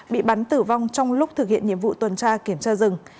bị bắn tử vong trong lúc thực hiện nhiệm vụ tuần tra kiểm tra rừng